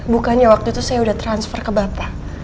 bukannya waktu itu saya sudah transfer ke bapak